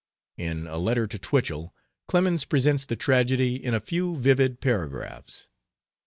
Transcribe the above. In a letter to Twichell Clemens presents the tragedy in a few vivid paragraphs.